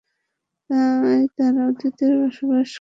তাই তারা অতীতে বসবাস করছে।